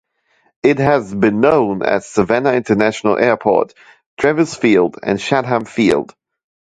It had been known as Savannah International Airport, Travis Field and Chatham Field.